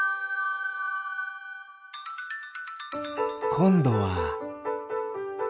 こんどは。